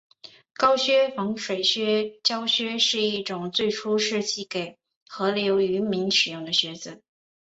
高筒防水胶靴是一种最初设计给河流渔民使用的靴子。